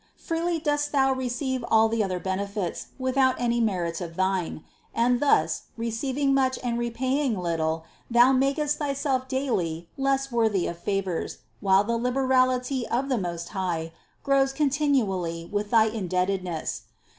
Freely dost thou receive all the other benefits, without any merit of thine ; and thus, receiving much and repaying little, thou mak est thyself daily less worthy of favors, while the liberality of the Most High grows continually with thy indebted ness.